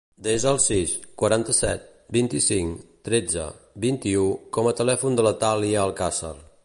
Desa el sis, quaranta-set, vint-i-cinc, tretze, vint-i-u com a telèfon de la Thàlia Alcazar.